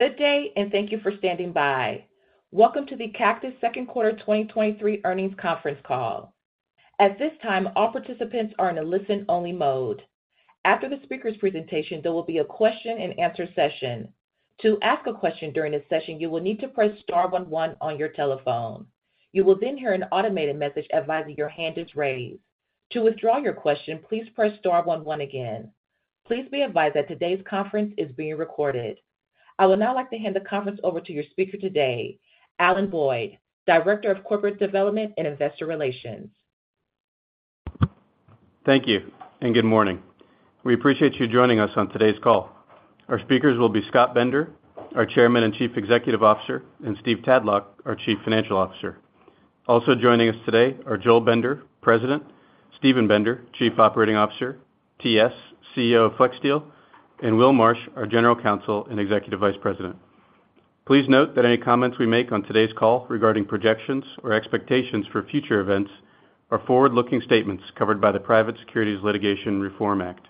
Good day, and thank you for standing by. Welcome to the Cactus second quarter 2023 earnings conference call. At this time, all participants are in a listen-only mode. After the speaker's presentation, there will be a question and answer session. To ask a question during this session, you will need to press star 11 on your telephone. You will then hear an automated message advising your hand is raised. To withdraw your question, please press star 11 again. Please be advised that today's conference is being recorded. I would now like to hand the conference over to your speaker today, Alan Boyd, Director of Corporate Development and Investor Relations. Thank you. Good morning. We appreciate you joining us on today's call. Our speakers will be Scott Bender, our Chairman and Chief Executive Officer, and Steve Tadlock, our Chief Financial Officer. Also joining us today are Joel Bender, President, Steven Bender, Chief Operating Officer, TS, CEO of FlexSteel, and Will Marsh, our General Counsel and Executive Vice President. Please note that any comments we make on today's call regarding projections or expectations for future events are forward-looking statements covered by the Private Securities Litigation Reform Act.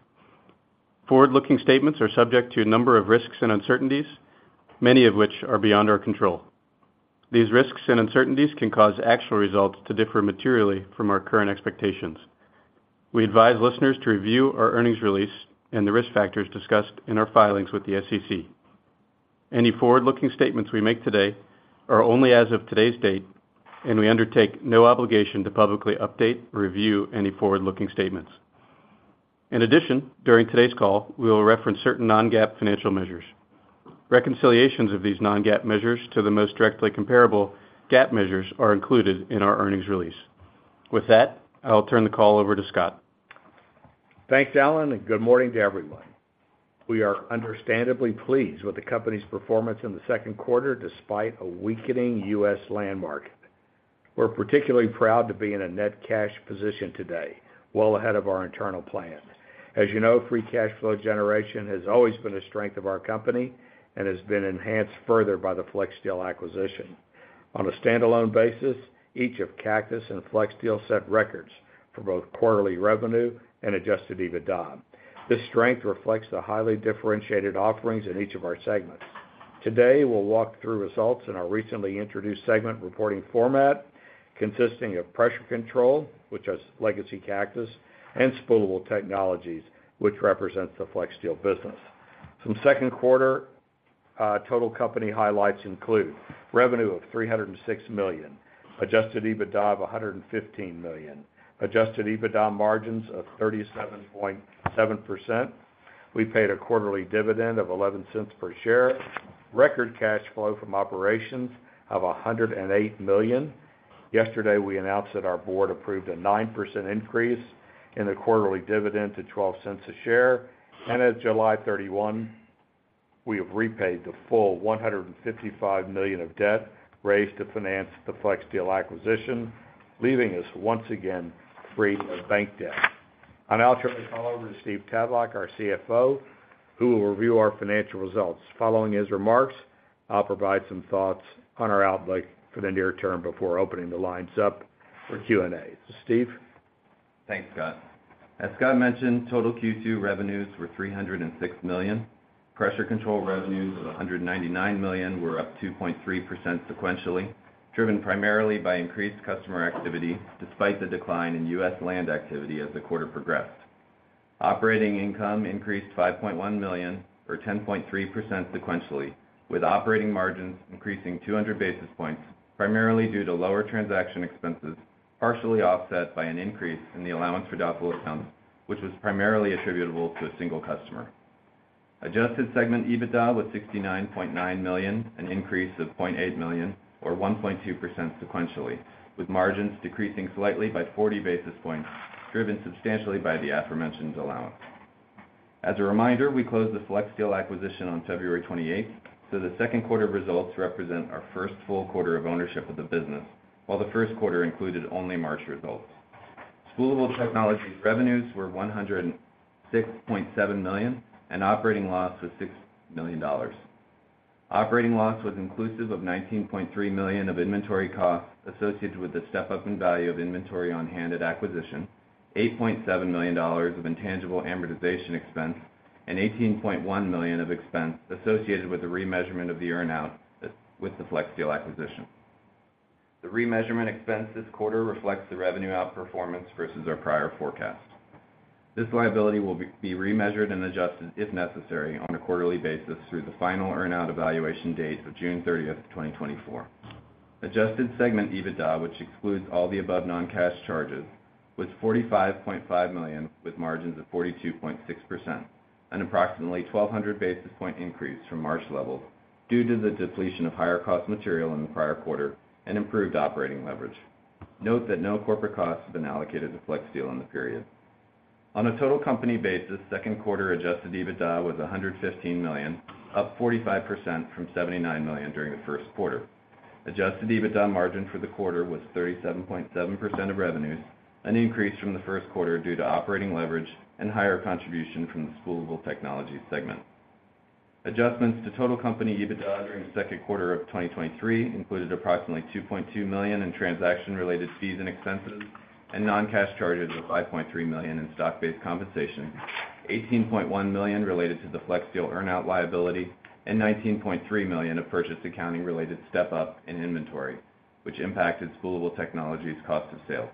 Forward-looking statements are subject to a number of risks and uncertainties, many of which are beyond our control. These risks and uncertainties can cause actual results to differ materially from our current expectations. We advise listeners to review our earnings release and the risk factors discussed in our filings with the SEC. Any forward-looking statements we make today are only as of today's date. We undertake no obligation to publicly update or review any forward-looking statements. In addition, during today's call, we will reference certain non-GAAP financial measures. Reconciliations of these non-GAAP measures to the most directly comparable GAAP measures are included in our earnings release. With that, I'll turn the call over to Scott. Thanks, Alan, good morning to everyone. We are understandably pleased with the company's performance in the second quarter, despite a weakening US land market. We're particularly proud to be in a net cash position today, well ahead of our internal plan. As you know, free cash flow generation has always been a strength of our company and has been enhanced further by the FlexSteel acquisition. On a standalone basis, each of Cactus and FlexSteel set records for both quarterly revenue and adjusted EBITDA. This strength reflects the highly differentiated offerings in each of our segments. Today, we'll walk through results in our recently introduced segment reporting format, consisting of Pressure Control, which is legacy Cactus, and Spoolable Technologies, which represents the FlexSteel business. Some second quarter total company highlights include: revenue of $306 million, adjusted EBITDA of $115 million, adjusted EBITDA margins of 37.7%. We paid a quarterly dividend of $0.11 per share, record cash flow from operations of $108 million. Yesterday, we announced that our board approved a 9% increase in the quarterly dividend to $0.12 a share, and as of July 31, we have repaid the full $155 million of debt raised to finance the FlexSteel acquisition, leaving us once again free of bank debt. I'll now turn this call over to Steve Tadlock, our CFO, who will review our financial results. Following his remarks, I'll provide some thoughts on our outlook for the near term before opening the lines up for Q&A. Steve? Thanks, Scott. As Scott mentioned, total Q2 revenues were $306 million. Pressure Control revenues of $199 million were up 2.3% sequentially, driven primarily by increased customer activity despite the decline in US land activity as the quarter progressed. Operating income increased $5.1 million, or 10.3% sequentially, with operating margins increasing 200 basis points, primarily due to lower transaction expenses, partially offset by an increase in the allowance for doubtful accounts, which was primarily attributable to a single customer. Adjusted segment EBITDA was $69.9 million, an increase of $0.8 million, or 1.2% sequentially, with margins decreasing slightly by 40 basis points, driven substantially by the aforementioned allowance. As a reminder, we closed the FlexSteel acquisition on February 28th. The second quarter results represent our first full quarter of ownership of the business, while the first quarter included only March results. Spoolable Technologies revenues were $106.7 million, and operating loss was $6 million. Operating loss was inclusive of $19.3 million of inventory costs associated with the step-up in value of inventory on-hand at acquisition, $8.7 million of intangible amortization expense, and $18.1 million of expense associated with the remeasurement of the earn-out with the FlexSteel acquisition. The remeasurement expense this quarter reflects the revenue outperformance versus our prior forecast. This liability will be remeasured and adjusted, if necessary, on a quarterly basis through the final earn-out evaluation date of June 30th, 2024. Adjusted segment EBITDA, which excludes all the above non-cash charges, was $45.5 million, with margins of 42.6%, an approximately 1,200 basis point increase from March levels due to the depletion of higher cost material in the prior quarter and improved operating leverage. Note that no corporate costs have been allocated to FlexSteel in the period. On a total company basis, second quarter adjusted EBITDA was $115 million, up 45% from $79 million during the first quarter. Adjusted EBITDA margin for the quarter was 37.7% of revenues, an increase from the first quarter due to operating leverage and higher contribution from the Spoolable Technologies segment. Adjustments to total company EBITDA-... The second quarter of 2023 included approximately $2.2 million in transaction-related fees and expenses, and noncash charges of $5.3 million in stock-based compensation, $18.1 million related to the FlexSteel earn-out liability, and $19.3 million of purchase accounting related step-up in inventory, which impacted Spoolable Technologies' cost of sales.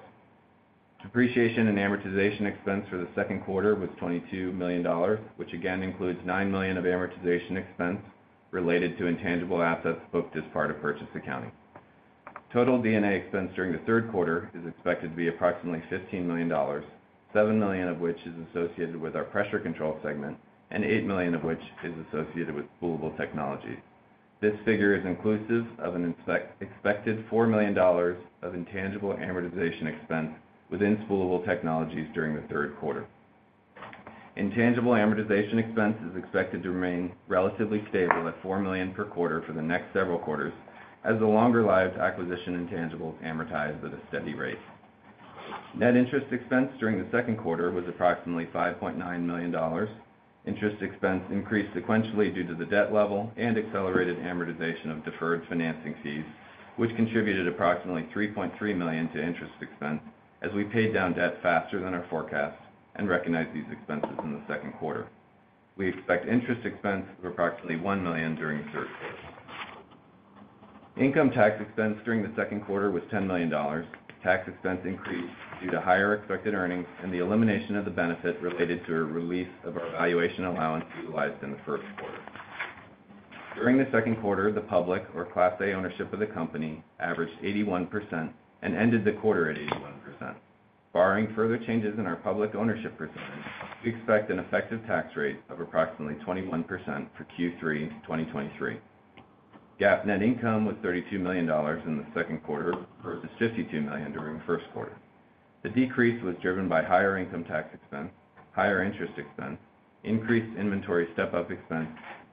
Depreciation and amortization expense for the second quarter was $22 million, which again includes $9 million of amortization expense related to intangible assets booked as part of purchase accounting. Total D&A expense during the third quarter is expected to be approximately $15 million, $7 million of which is associated with our Pressure Control segment and $8 million of which is associated with Spoolable Technologies. This figure is inclusive of an expected $4 million of intangible amortization expense within Spoolable Technologies during the third quarter. Intangible amortization expense is expected to remain relatively stable at $4 million per quarter for the next several quarters, as the longer-lived acquisition intangibles amortize at a steady rate. Net interest expense during the second quarter was approximately $5.9 million. Interest expense increased sequentially due to the debt level and accelerated amortization of deferred financing fees, which contributed approximately $3.3 million to interest expense, as we paid down debt faster than our forecast and recognized these expenses in the second quarter. We expect interest expense of approximately $1 million during the third quarter. Income tax expense during the second quarter was $10 million. Tax expense increased due to higher expected earnings and the elimination of the benefit related to a release of our valuation allowance utilized in the first quarter. During the second quarter, the public, or Class A ownership of the company, averaged 81% and ended the quarter at 81%. Barring further changes in our public ownership percentage, we expect an effective tax rate of approximately 21% for Q3 2023. GAAP net income was $32 million in the second quarter versus $52 million during the first quarter. The decrease was driven by higher income tax expense, higher interest expense, increased inventory step-up expense,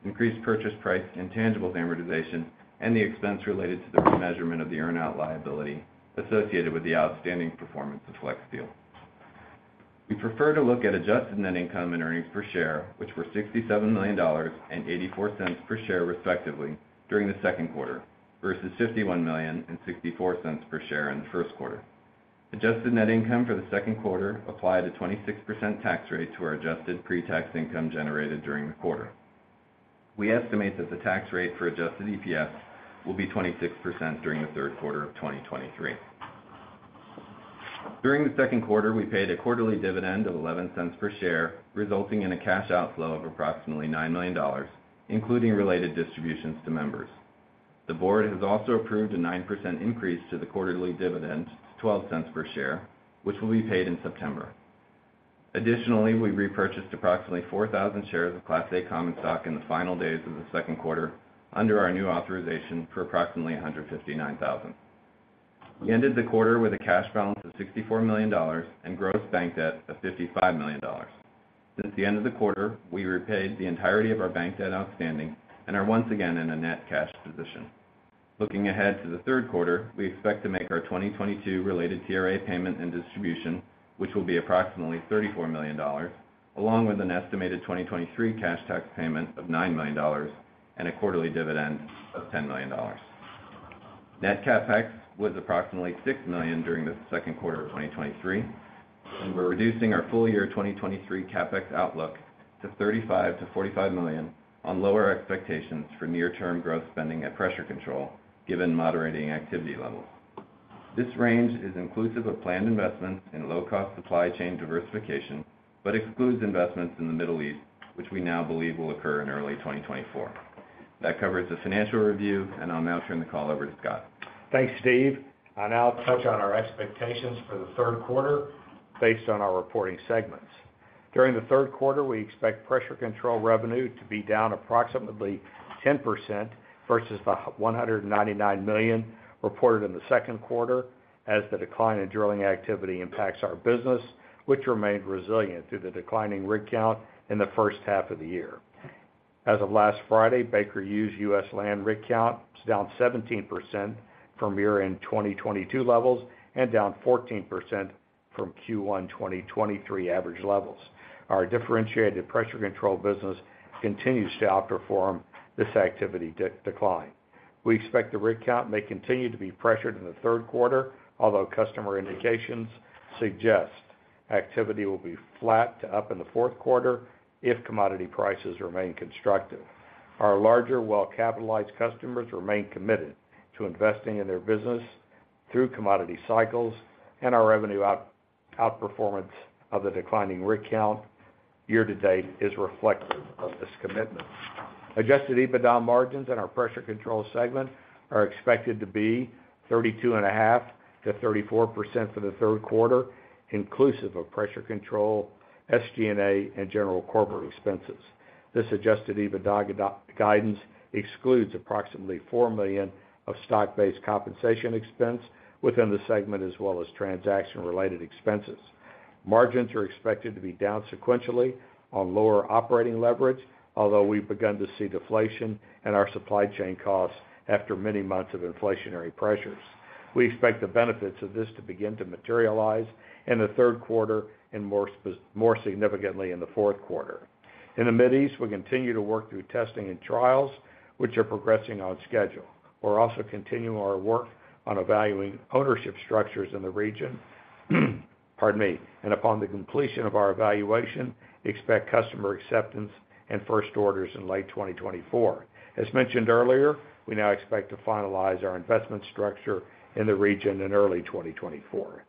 increased purchase price, intangibles amortization, and the expense related to the remeasurement of the earn-out liability associated with the outstanding performance of FlexSteel. We prefer to look at adjusted net income and earnings per share, which were $67 million and $0.84 per share, respectively, during the second quarter, versus $51 million and $0.64 per share in the first quarter. Adjusted net income for the second quarter applied a 26% tax rate to our adjusted pre-tax income generated during the quarter. We estimate that the tax rate for adjusted EPS will be 26% during the third quarter of 2023. During the second quarter, we paid a quarterly dividend of $0.11 per share, resulting in a cash outflow of approximately $9 million, including related distributions to members. The board has also approved a 9% increase to the quarterly dividend to $0.12 per share, which will be paid in September. Additionally, we repurchased approximately 4,000 shares of Class A common stock in the final days of the second quarter under our new authorization for approximately $159,000. We ended the quarter with a cash balance of $64 million and gross bank debt of $55 million. Since the end of the quarter, we repaid the entirety of our bank debt outstanding and are once again in a net cash position. Looking ahead to the third quarter, we expect to make our 2022 related TRA payment and distribution, which will be approximately $34 million, along with an estimated 2023 cash tax payment of $9 million and a quarterly dividend of $10 million. Net CapEx was approximately $6 million during the second quarter of 2023, and we're reducing our full year 2023 CapEx outlook to $35 million-$45 million on lower expectations for near-term growth spending at Pressure Control, given moderating activity levels. This range is inclusive of planned investments in low-cost supply chain diversification, but excludes investments in the Middle East, which we now believe will occur in early 2024. That covers the financial review, and I'll now turn the call over to Scott. Thanks, Steve. I'll now touch on our expectations for the third quarter based on our reporting segments. During the third quarter, we expect Pressure Control revenue to be down approximately 10% versus the $199 million reported in the second quarter, as the decline in drilling activity impacts our business, which remained resilient through the declining rig count in the first half of the year. As of last Friday, Baker Hughes' US land rig count is down 17% from year-end 2022 levels and down 14% from Q1 2023 average levels. Our differentiated Pressure Control business continues to outperform this activity decline. We expect the rig count may continue to be pressured in the third quarter, although customer indications suggest activity will be flat to up in the fourth quarter if commodity prices remain constructive. Our larger, well-capitalized customers remain committed to investing in their business through commodity cycles. Our revenue outperformance of the declining rig count year-to-date is reflective of this commitment. Adjusted EBITDA margins in our Pressure Control segment are expected to be 32.5%-34% for the third quarter, inclusive of Pressure Control, SG&A, and general corporate expenses. This Adjusted EBITDA guidance excludes approximately $4 million of stock-based compensation expense within the segment, as well as transaction-related expenses. Margins are expected to be down sequentially on lower operating leverage, although we've begun to see deflation in our supply chain costs after many months of inflationary pressures. We expect the benefits of this to begin to materialize in the third quarter and more significantly in the fourth quarter. In the Mid East, we continue to work through testing and trials, which are progressing on schedule. We're also continuing our work on evaluating ownership structures in the region, pardon me, and upon the completion of our evaluation, expect customer acceptance and first orders in late 2024. As mentioned earlier, we now expect to finalize our investment structure in the region in early 2024.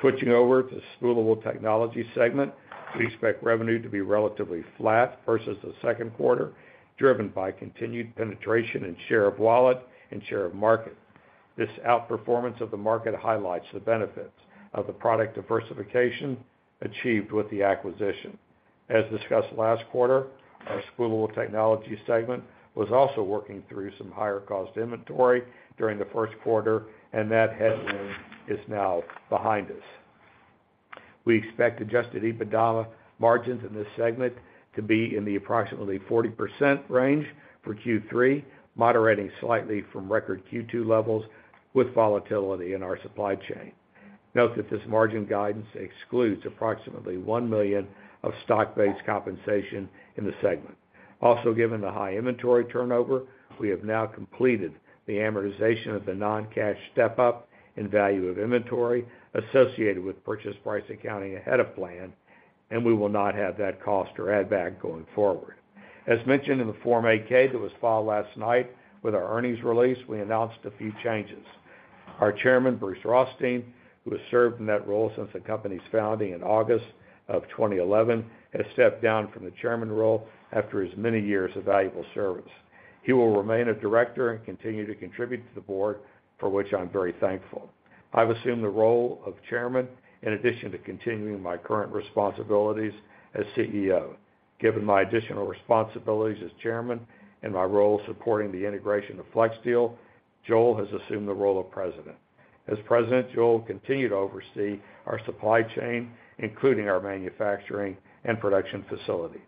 Switching over to Spoolable Technologies segment, we expect revenue to be relatively flat versus the second quarter, driven by continued penetration and share of wallet and share of market. This outperformance of the market highlights the benefits of the product diversification achieved with the acquisition. As discussed last quarter, our Spoolable Technologies segment was also working through some higher cost inventory during the first quarter, and that headwind is now behind us. We expect adjusted EBITDA margins in this segment to be in the approximately 40% range for Q3, moderating slightly from record Q2 levels with volatility in our supply chain. Note that this margin guidance excludes approximately $1 million of stock-based compensation in the segment. Also, given the high inventory turnover, we have now completed the amortization of the non-cash step-up in value of inventory associated with purchase accounting ahead of plan, and we will not have that cost or add back going forward. As mentioned in the Form 8-K that was filed last night with our earnings release, we announced a few changes. Our chairman, Bruce Rothstein, who has served in that role since the company's founding in August of 2011, has stepped down from the chairman role after his many years of valuable service. He will remain a director and continue to contribute to the board, for which I'm very thankful. I've assumed the role of Chairman in addition to continuing my current responsibilities as CEO. Given my additional responsibilities as Chairman and my role supporting the integration of FlexSteel, Joel has assumed the role of President. As President, Joel will continue to oversee our supply chain, including our manufacturing and production facilities.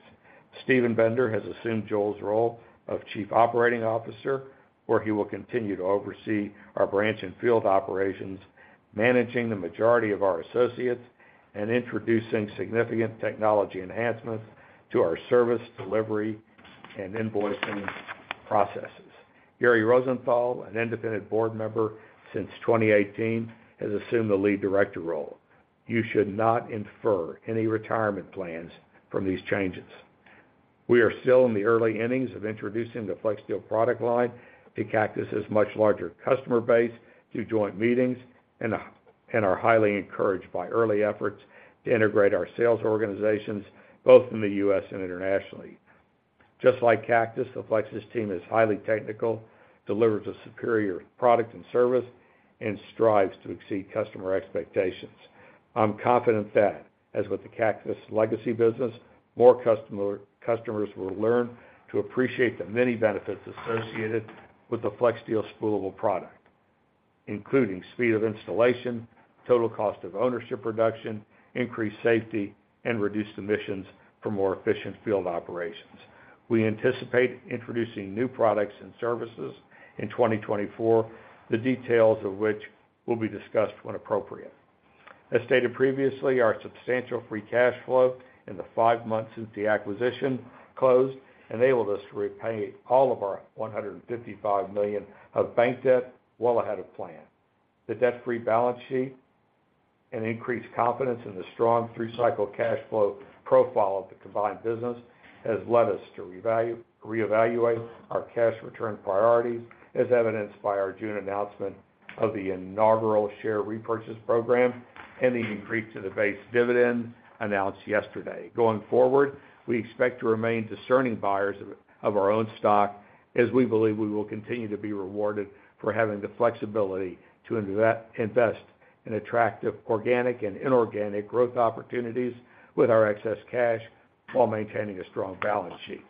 Steven Bender has assumed Joel's role of Chief Operating Officer, where he will continue to oversee our branch and field operations, managing the majority of our associates and introducing significant technology enhancements to our service, delivery, and invoicing processes. Gary Rosenthal, an independent board member since 2018, has assumed the Lead Director role. You should not infer any retirement plans from these changes. We are still in the early innings of introducing the FlexSteel product line to Cactus's much larger customer base through joint meetings and are highly encouraged by early efforts to integrate our sales organizations, both in the U.S. and internationally. Just like Cactus, the FlexSteel team is highly technical, delivers a superior product and service, and strives to exceed customer expectations. I'm confident that, as with the Cactus legacy business, more customers will learn to appreciate the many benefits associated with the FlexSteel spoolable product, including speed of installation, total cost of ownership reduction, increased safety, and reduced emissions for more efficient field operations. We anticipate introducing new products and services in 2024, the details of which will be discussed when appropriate. As stated previously, our substantial free cash flow in the five months since the acquisition closed enabled us to repay all of our $155 million of bank debt well ahead of plan. The debt-free balance sheet and increased confidence in the strong three-cycle cash flow profile of the combined business has led us to reevaluate our cash return priorities, as evidenced by our June announcement of the inaugural share repurchase program and the increase to the base dividend announced yesterday. Going forward, we expect to remain discerning buyers of our own stock, as we believe we will continue to be rewarded for having the flexibility to invest in attractive organic and inorganic growth opportunities with our excess cash while maintaining a strong balance sheet.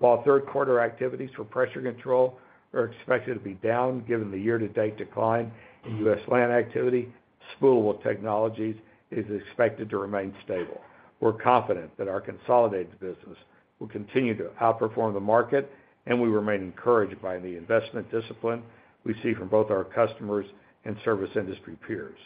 While third quarter activities for Pressure Control are expected to be down, given the year-to-date decline in US land activity, Spoolable Technologies is expected to remain stable. We're confident that our consolidated business will continue to outperform the market, and we remain encouraged by the investment discipline we see from both our customers and service industry peers.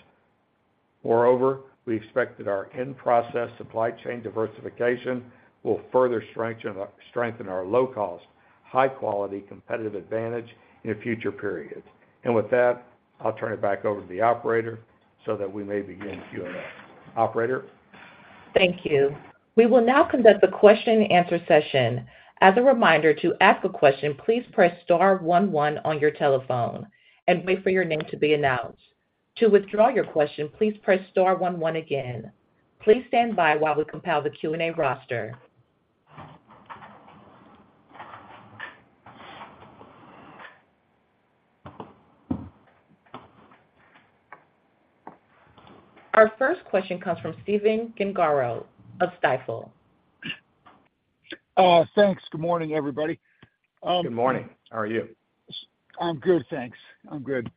Moreover, we expect that our in-process supply chain diversification will further strengthen, strengthen our low cost, high quality, competitive advantage in future periods. With that, I'll turn it back over to the operator so that we may begin Q&A. Operator? Thank you. We will now conduct a question and answer session. As a reminder, to ask a question, please press star one one on your telephone and wait for your name to be announced. To withdraw your question, please press star one one again. Please stand by while we compile the Q&A roster. Our first question comes from Stephen Gengaro of Stifel. Thanks. Good morning, everybody, Good morning. How are you? I'm good, thanks. I'm good.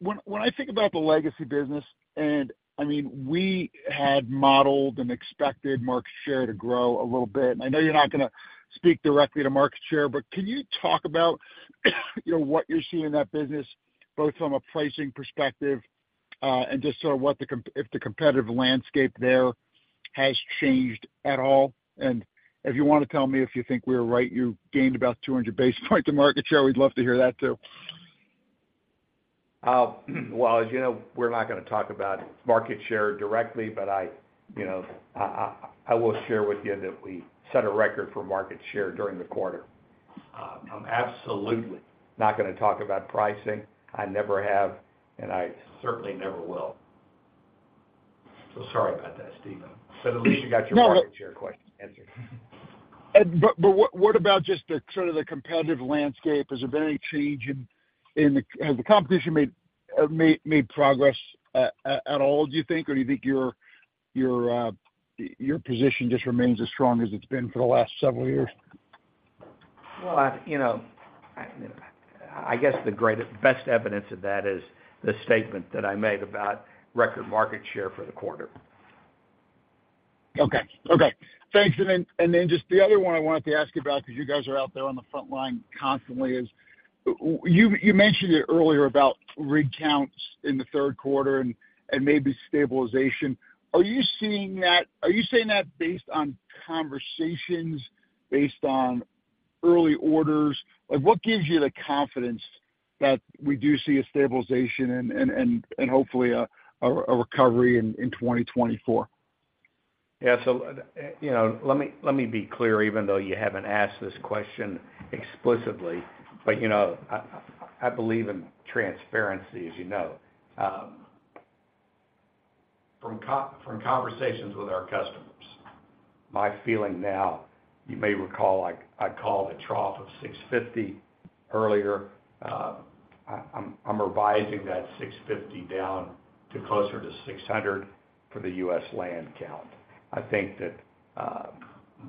When, when I think about the legacy business, and, I mean, we had modeled and expected market share to grow a little bit. I know you're not gonna speak directly to market share, but can you talk about, you know, what you're seeing in that business, both from a pricing perspective, and just sort of what the if the competitive landscape there has changed at all? If you wanna tell me, if you think we're right, you gained about 200 basis point to market share, we'd love to hear that, too. Well, as you know, we're not gonna talk about market share directly, but I, you know, I, I, I will share with you that we set a record for market share during the quarter. I'm absolutely not gonna talk about pricing. I never have, and I certainly never will. Sorry about that, Stephen. At least you got your market share question answered. What, what about just the sort of the competitive landscape? Has there been any change in the... Has the competition made progress at all, do you think? Or do you think your position just remains as strong as it's been for the last several years? Well, you know, I, I guess the greatest, best evidence of that is the statement that I made about record market share for the quarter. Okay. Okay, thanks. Then, and then just the other one I wanted to ask you about, because you guys are out there on the front line constantly, is, you, you mentioned it earlier about rig counts in the third quarter and, and maybe stabilization. Are you seeing that-- are you saying that based on conversations, based on early orders? Like, what gives you the confidence that we do see a stabilization and, and, and, and hopefully a, a, a recovery in, in 2024? Yeah, so, you know, let me, let me be clear, even though you haven't asked this question explicitly, but, you know, I, I believe in transparency, as you know. From conversations with our customers, my feeling now, you may recall, I, I called a trough of 650 earlier. I'm, I'm revising that 650 down to closer to 600 for the US land count. I think that,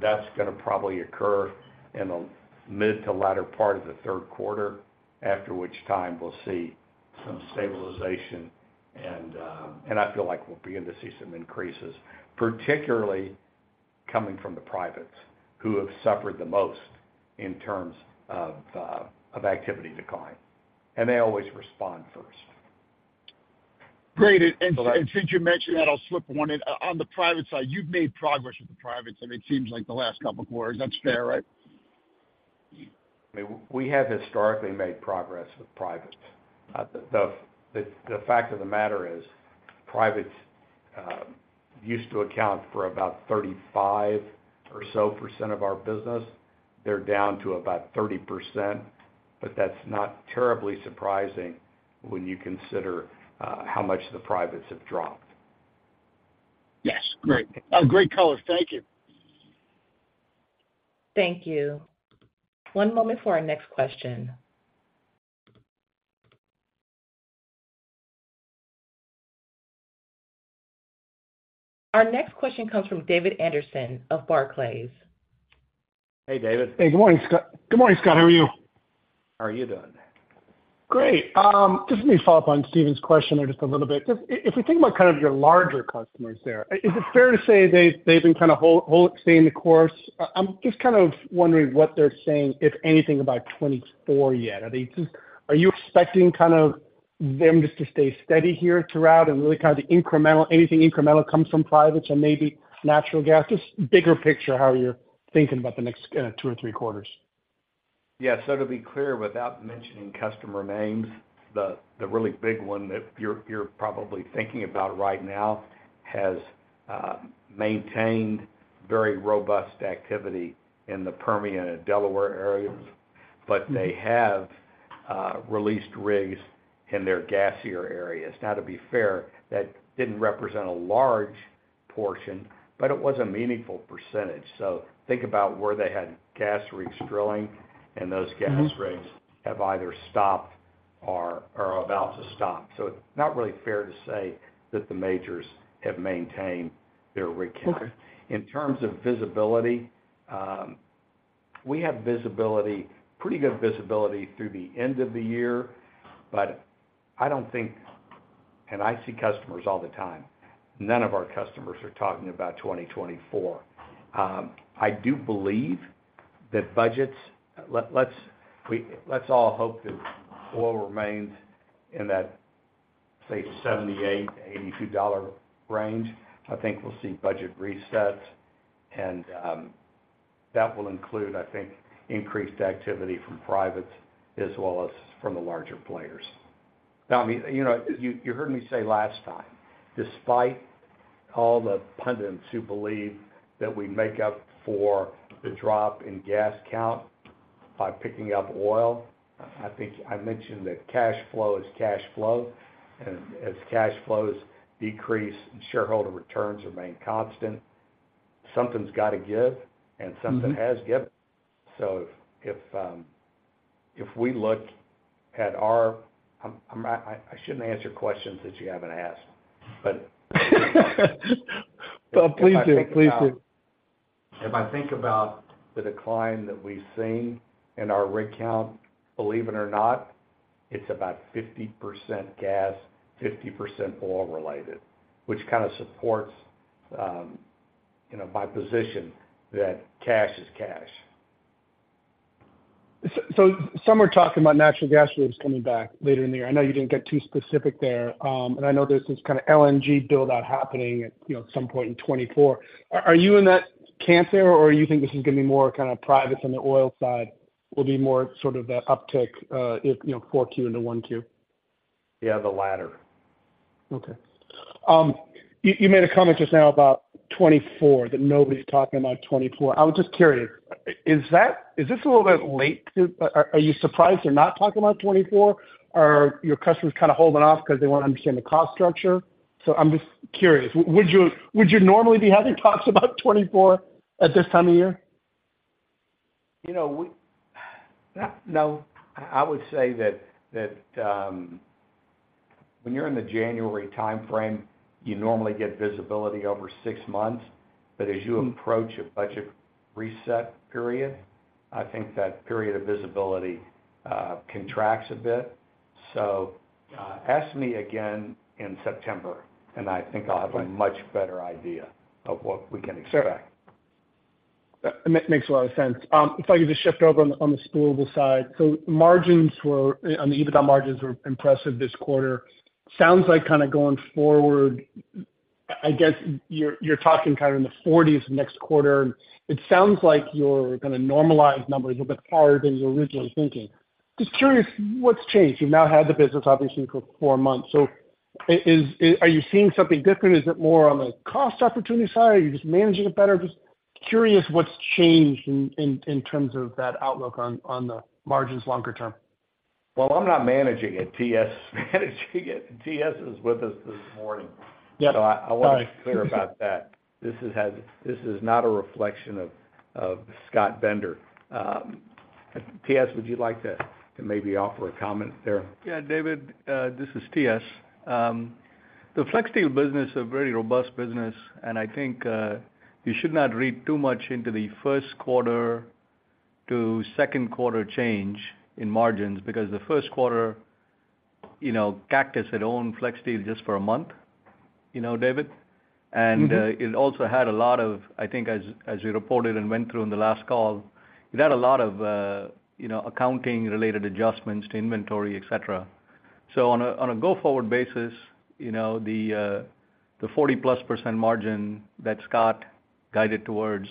that's gonna probably occur in the mid to latter part of the third quarter, after which time we'll see some stabilization, and, I feel like we'll begin to see some increases, particularly coming from the privates, who have suffered the most in terms of, of activity decline. They always respond first. Great. So like- Since you mentioned that, I'll slip one in. On the private side, you've made progress with the privates, I mean, it seems like the last couple of quarters. Is that fair, right? I mean, we have historically made progress with privates. The, the, the fact of the matter is, privates used to account for about 35% or so of our business. They're down to about 30%, but that's not terribly surprising when you consider how much the privates have dropped. Yes. Great. Great color. Thank you. Thank you. One moment for our next question. Our next question comes from David Anderson of Barclays. Hey, David. Hey, good morning, Scott. Good morning, Scott. How are you? How are you doing? Great. Just let me follow up on Stephen's question there just a little bit. Just, if we think about kind of your larger customers there, is it fair to say they've been kind of staying the course? I'm just kind of wondering what they're saying, if anything, about 2024 yet. Are you expecting kind of them just to stay steady here throughout and really kind of the incremental, anything incremental comes from privates and maybe natural gas? Just bigger picture, how you're thinking about the next two or three quarters? Yeah. To be clear, without mentioning customer names, the, the really big one that you're, you're probably thinking about right now has maintained very robust activity in the Permian and Delaware areas, they have released rigs in their gassier areas. Now, to be fair, that didn't represent a large portion, it was a meaningful percentage. Think about where they had gas rigs drilling, those gas rigs- Mm-hmm. have either stopped or are about to stop. It's not really fair to say that the majors have maintained their rig count. Okay. In terms of visibility, we have visibility, pretty good visibility through the end of the year, but I don't think, and I see customers all the time, none of our customers are talking about 2024. I do believe that budgets... let's all hope that oil remains in that, say, $78-$82 range. I think we'll see budget resets and that will include, I think, increased activity from privates as well as from the larger players. Now, I mean, you know, you, you heard me say last time, despite all the pundits who believe that we make up for the drop in gas count by picking up oil, I think I mentioned that cash flow is cash flow. As cash flows decrease and shareholder returns remain constant, something's got to give, and something has given. Mm-hmm. If, if we look at our... I shouldn't answer questions that you haven't asked, but. Well, please do. Please do.... If I think about the decline that we've seen in our rig count, believe it or not, it's about 50% gas, 50% oil related, which kind of supports, you know, my position that cash is cash. Some are talking about natural gas rigs coming back later in the year. I know you didn't get too specific there, but I know there's this kind of LNG build-out happening at, you know, some point in 2024. Are you in that camp there, or you think this is gonna be more kind of private on the oil side, will be more sort of the uptick, if, you know, 4Q into 1Q? Yeah, the latter. Okay. You, you made a comment just now about 2024, that nobody's talking about 2024. I was just curious, is this a little bit late to, are you surprised they're not talking about 2024? Are your customers kind of holding off because they want to understand the cost structure? I'm just curious, would you, would you normally be having talks about 2024 at this time of year? You know, no, I would say that, that, when you're in the January timeframe, you normally get visibility over six months. As you approach a budget reset period, I think that period of visibility contracts a bit. Ask me again in September, and I think I'll have a much better idea of what we can expect. That makes a lot of sense. If I could just shift over on the spoolable side. Margins were, on the EBITDA, margins were impressive this quarter. Sounds like kind of going forward, I guess, you're, you're talking kind of in the 40s next quarter. It sounds like you're gonna normalize numbers a bit harder than you were originally thinking. Just curious, what's changed? You've now had the business, obviously, for 4 months. Are you seeing something different? Is it more on the cost opportunity side, or are you just managing it better? Just curious what's changed in terms of that outlook on the margins longer term. Well, I'm not managing it. TS is managing it. TS was with us this morning. Yep, got it. I, I want to be clear about that. This is not a reflection of, of Scott Bender. TS, would you like to, to maybe offer a comment there? Yeah, David, this is TS. The FlexSteel business is a very robust business, and I think you should not read too much into the first quarter to second quarter change in margins, because the first quarter, you know, Cactus had owned FlexSteel just for a month, you know, David. Mm-hmm. It also had a lot of, I think, as, as you reported and went through in the last call, it had a lot of, you know, accounting-related adjustments to inventory, et cetera. On a go-forward basis, you know, the 40-plus % margin that Scott guided towards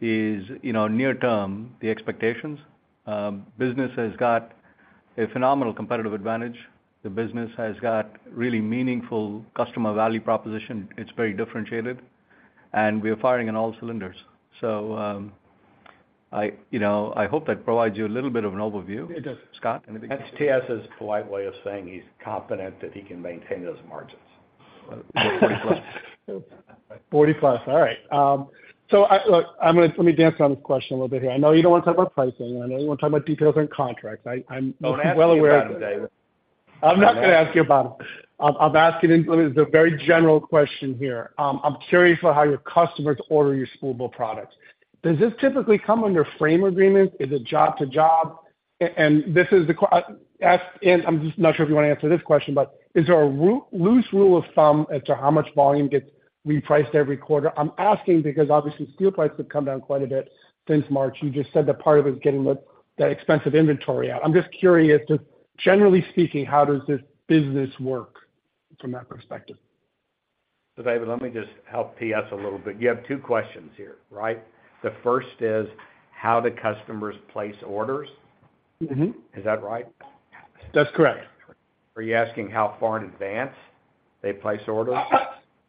is, you know, near term, the expectations. Business has got a phenomenal competitive advantage. The business has got really meaningful customer value proposition. It's very differentiated, and we are firing on all cylinders. I, you know, I hope that provides you a little bit of an overview. It does. Scott, That's TS's polite way of saying he's confident that he can maintain those margins. 40%+. 40-plus. All right. Look, let me dance around this question a little bit here. I know you don't want to talk about pricing, and I know you want to talk about details and contracts. I'm well aware of that. Don't ask me about them, David. I'm not gonna ask you about them. I'll, I'll ask you the, the very general question here. I'm curious about how your customers order your spoolable products. Does this typically come under frame agreements? Is it job to job? And this is the ask, and I'm just not sure if you want to answer this question, but is there a loose rule of thumb as to how much volume gets repriced every quarter? I'm asking because, obviously, steel prices have come down quite a bit since March. You just said that part of it is getting the, that expensive inventory out. I'm just curious, just generally speaking, how does this business work from that perspective? David, let me just help TS a little bit. You have two questions here, right? The first is, how the customers place orders. Mm-hmm. Is that right? That's correct. Are you asking how far in advance they place orders?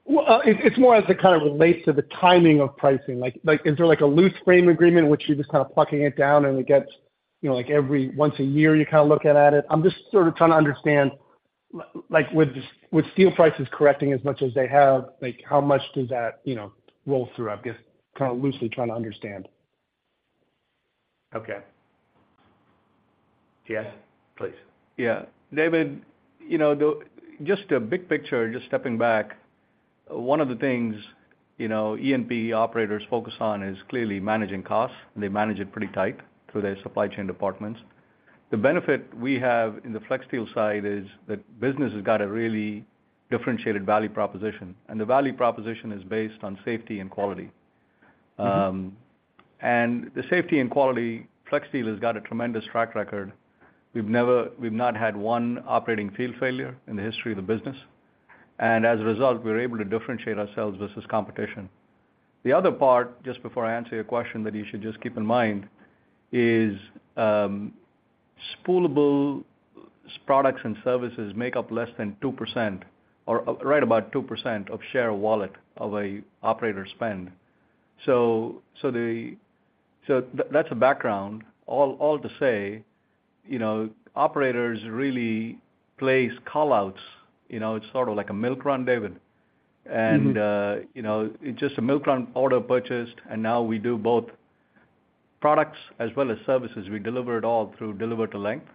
Well, it, it's more as it kind of relates to the timing of pricing. Like, like, is there like a loose frame agreement in which you're just kind of plucking it down and it gets, you know, like, every once a year, you kind of look at, at it? I'm just sort of trying to understand, like, with, with steel prices correcting as much as they have, like, how much does that, you know, roll through? I'm just kind of loosely trying to understand. Okay. TS, please. Yeah. David, you know, just a big picture, just stepping back, one of the things, you know, E&P operators focus on is clearly managing costs. They manage it pretty tight through their supply chain departments. The benefit we have in the FlexSteel side is that business has got a really differentiated value proposition. The value proposition is based on safety and quality. Mm-hmm. The safety and quality, FlexSteel has got a tremendous track record. We've not had one operating field failure in the history of the business, and as a result, we're able to differentiate ourselves versus competition. The other part, just before I answer your question, that you should just keep in mind is, spoolable products and services make up less than 2% or, right about 2% of share wallet of an operator spend. That's a background, all, all to say, you know, operators really place call-outs. You know, it's sort of like a milk run, David. Mm-hmm. You know, it's just a milk run order purchased, now we do products as well as services, we deliver it all through deliver to length,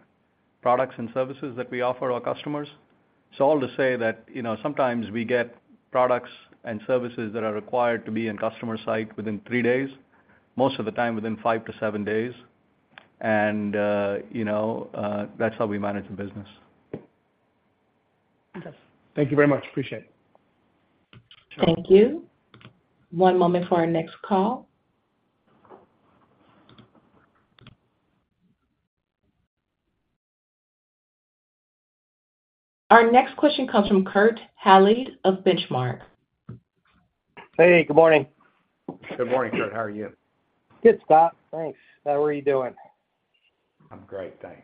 products and services that we offer our customers. It's all to say that, you know, sometimes we get products and services that are required to be in customer site within three days, most of the time, within five to seven days. You know, that's how we manage the business. Thank you very much. Appreciate it. Thank you. One moment for our next call. Our next question comes from Kurt Hallead of Benchmark. Hey, good morning. Good morning, Kurt. How are you? Good, Scott. Thanks. How are you doing? I'm great, thanks.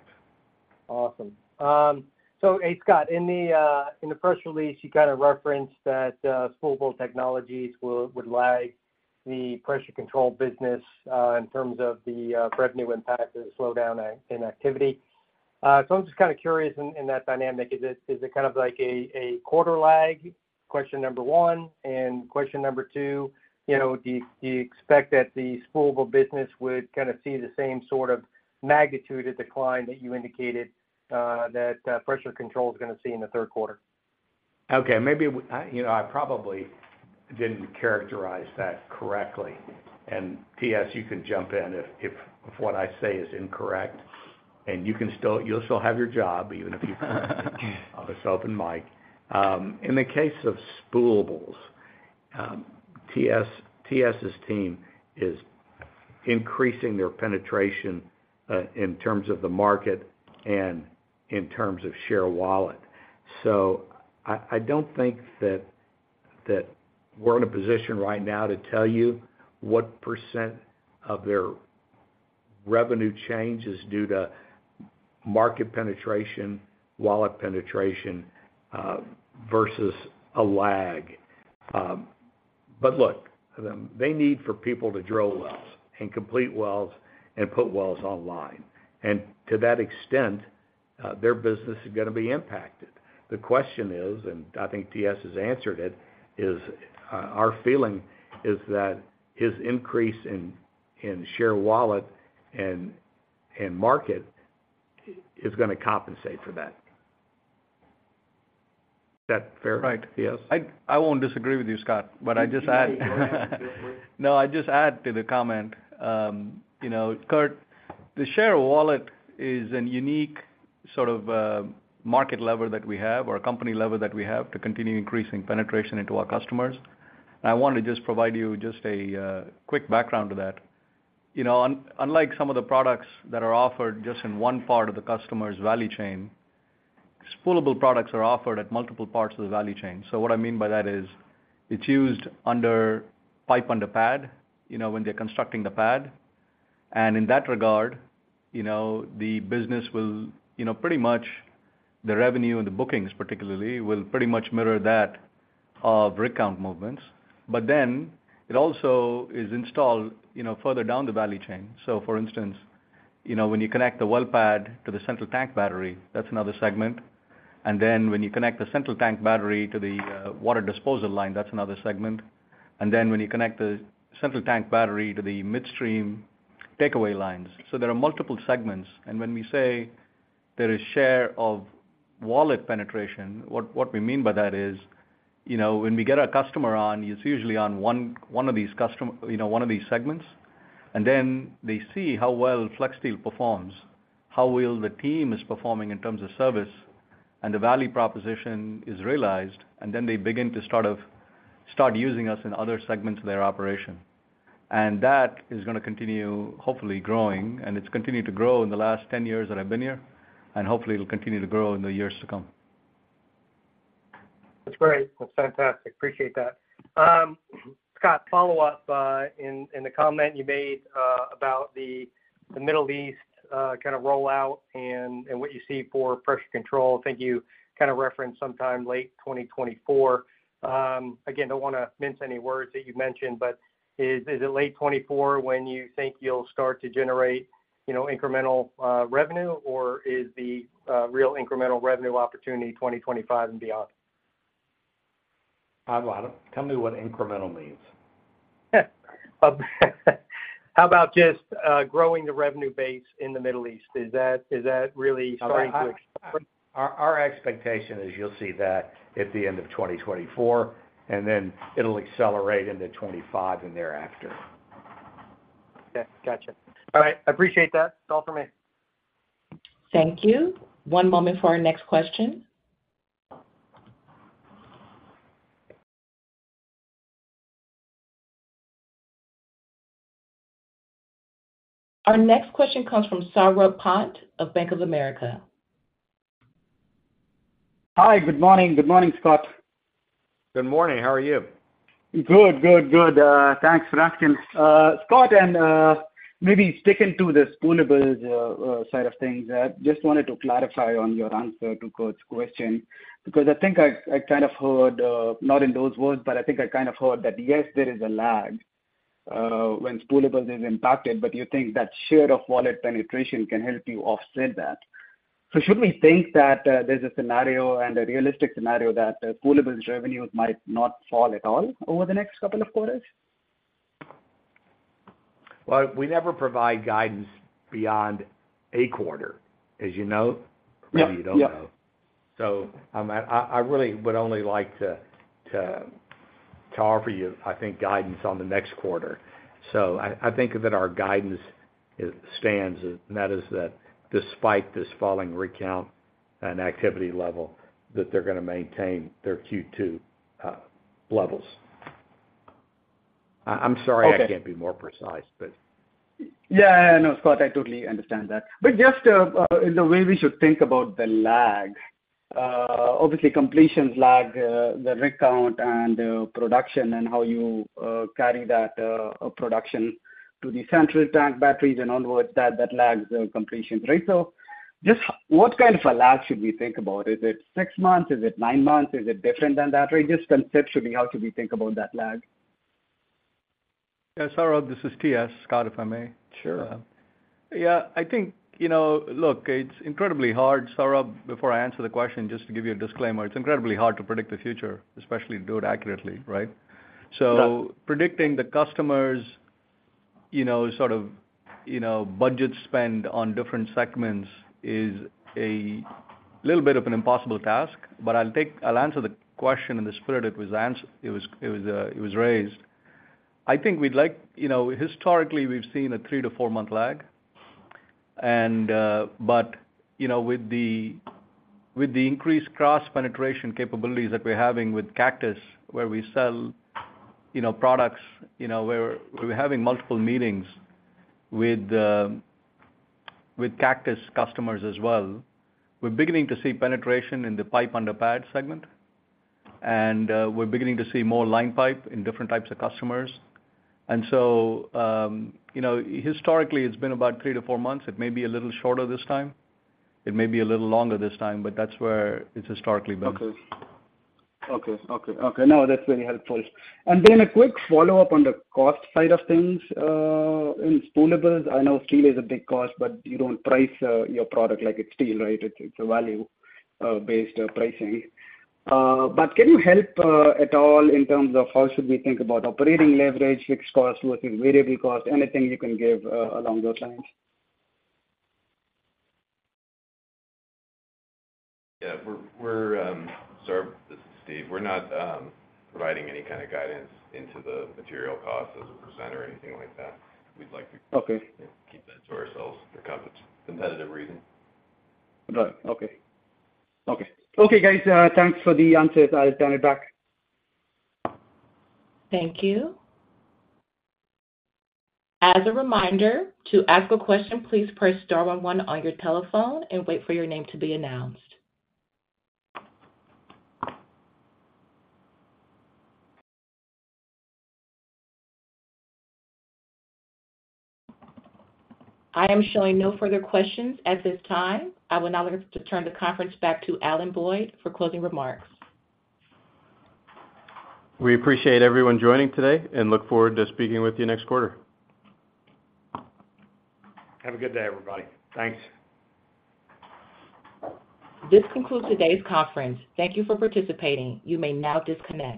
Hey, Scott, in the press release, you kind of referenced that Spoolable Technologies would lag the Pressure Control business in terms of the revenue impact and the slowdown in activity. I'm just kind of curious in that dynamic, is it kind of like a quarter lag? Question 1, question 2, you know, do you expect that the Spoolable business would kind of see the same sort of magnitude of decline that you indicated that Pressure Control is gonna see in the third quarter? Okay, maybe I, you know, I probably didn't characterize that correctly. TS, you can jump in if, if, if what I say is incorrect, and you can still you'll still have your job, even if you on this open mic. In the case of spoolables, TS, TS's team is increasing their penetration in terms of the market and in terms of share wallet. I, I don't think that, that we're in a position right now to tell you what % of their revenue change is due to market penetration, wallet penetration, versus a lag. But look, they need for people to drill wells and complete wells and put wells online. To that extent, their business is gonna be impacted. The question is, and I think TS has answered it, our feeling is that his increase in share wallet and market is gonna compensate for that. Is that fair, TS? I, I won't disagree with you, Scott, but I'd just add, no, I'd just add to the comment. You know, Kurt, the share of wallet is a unique sort of market lever that we have, or a company lever that we have to continue increasing penetration into our customers. I want to just provide you just a quick background to that. You know, unlike some of the products that are offered just in one part of the customer's value chain, spoolable products are offered at multiple parts of the value chain. What I mean by that is, it's used under pipe under pad, you know, when they're constructing the pad. In that regard, you know, the business will, you know, pretty much the revenue and the bookings, particularly, will pretty much mirror that of rig count movements. Then it also is installed, you know, further down the value chain. For instance, you know, when you connect the well pad to the central tank battery, that's another segment. Then when you connect the central tank battery to the water disposal line, that's another segment. Then when you connect the central tank battery to the midstream takeaway lines. There are multiple segments, and when we say there is share of wallet penetration, what we mean by that is, you know, when we get a customer on, it's usually on one, one of these, you know, one of these segments. Then they see how well FlexSteel performs, how well the team is performing in terms of service, and the value proposition is realized, and then they begin to sort of start using us in other segments of their operation. That is gonna continue, hopefully growing, and it's continued to grow in the last 10 years that I've been here, and hopefully it'll continue to grow in the years to come. That's great. That's fantastic. Appreciate that. Scott, follow up in the comment you made about the Middle East, kind of rollout and what you see for Pressure Control. I think you kind of referenced sometime late 2024. Again, don't wanna mince any words that you've mentioned, but is it late 2024 when you think you'll start to generate, you know, incremental revenue? Or is the real incremental revenue opportunity 2025 and beyond? I don't. Tell me what incremental means? How about just, growing the revenue base in the Middle East? Is that, is that really starting to explode? Our, our expectation is you'll see that at the end of 2024, and then it'll accelerate into 25 and thereafter. Okay, gotcha. All right, I appreciate that. That's all for me. Thank you. One moment for our next question. Our next question comes from Saurabh Pant of Bank of America. Hi, good morning. Good morning, Scott. Good morning. How are you? Good, good, good. Thanks for asking. Scott, maybe sticking to the Spoolables side of things, just wanted to clarify on your answer to Kurt's question. Because I think I, I kind of heard, not in those words, but I think I kind of heard that, yes, there is a lag, when Spoolables is impacted, but you think that share of wallet penetration can help you offset that. Should we think that there's a scenario and a realistic scenario that Spoolable revenues might not fall at all over the next couple of quarters? Well, we never provide guidance beyond a quarter, as you know. Yep, yep. You don't know. I, I really would only like to offer you, I think, guidance on the next quarter. I, I think that our guidance is, stands, and that is that despite this falling rig count and activity level, that they're gonna maintain their Q2 levels. I, I'm sorry I can't be more precise. Yeah, yeah, no, Scott, I totally understand that. Just in the way we should think about the lag, obviously, completions lag the rig count and production and how you carry that production to the central tank batteries and onwards, that, that lags completions, right? Just what kind of a lag should we think about? Is it six months? Is it nine months? Is it different than that? Just conceptually, how should we think about that lag? Yeah, Saurabh, this is TS. Scott, if I may? Sure. Yeah, I think, you know, look, it's incredibly hard, Saurabh, before I answer the question, just to give you a disclaimer, it's incredibly hard to predict the future, especially to do it accurately, right? Yeah. Predicting the customers, you know, sort of, you know, budget spend on different segments is a little bit of an impossible task, but I'll take I'll answer the question in the spirit it was raised. I think we'd like. You know, historically, we've seen a 3 to 4-month lag. You know, with the, with the increased cross-penetration capabilities that we're having with Cactus, where we sell, you know, products, you know, we're, we're having multiple meetings with Cactus customers as well. We're beginning to see penetration in the pipe under pad segment, and we're beginning to see more line pipe in different types of customers. You know, historically, it's been about 3 to 4 months. It may be a little shorter this time, it may be a little longer this time, but that's where it's historically been. Okay. Okay, okay. Okay, no, that's very helpful. Then a quick follow-up on the cost side of things. In spoolables, I know steel is a big cost, but you don't price, your product like it's steel, right? It's, it's a value-based pricing. Can you help at all in terms of how should we think about operating leverage, fixed costs versus variable costs? Anything you can give along those lines? Yeah, we're, we're, Saurabh, this is Steve. We're not providing any kind of guidance into the material costs as a percent or anything like that. We'd like to... Okay... keep that to ourselves for competitive reasons. Right. Okay. Okay. Okay, guys, thanks for the answers. I'll stand back. Thank you. As a reminder, to ask a question, please press star one on your telephone and wait for your name to be announced. I am showing no further questions at this time. I would now like to turn the conference back to Alan Boyd for closing remarks. We appreciate everyone joining today and look forward to speaking with you next quarter. Have a good day, everybody. Thanks. This concludes today's conference. Thank you for participating. You may now disconnect.